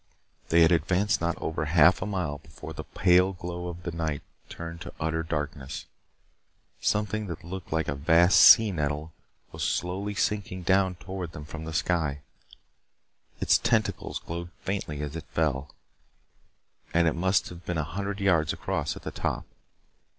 They had advanced not over half a mile before the pale glow of the night turned to utter darkness. Something that looked like a vast sea nettle was slowly sinking down toward them from the sky. Its tentacles glowed faintly as it fell and it must have been a hundred yards across at the top.